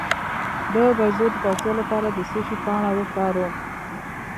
د بیضو د پړسوب لپاره د څه شي پاڼه وکاروم؟